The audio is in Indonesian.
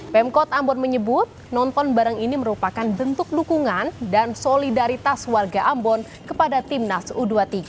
pemkot ambon menyebut nonton bareng ini merupakan bentuk dukungan dan solidaritas warga ambon kepada timnas u dua puluh tiga